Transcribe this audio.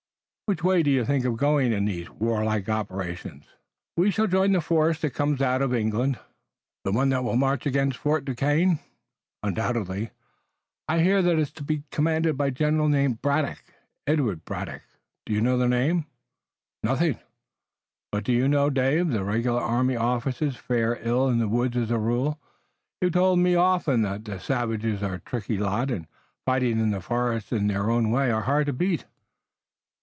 "Which way did you think of going in these warlike operations?" "We shall join the force that comes out from England." "The one that will march against Fort Duquesne?" "Undoubtedly." "I hear that it's to be commanded by a general named Braddock, Edward Braddock. What do you know of him?" "Nothing." "But you do know, David, that regular army officers fare ill in the woods as a rule. You've told me often that the savages are a tricky lot, and, fighting in the forest in their own way, are hard to beat."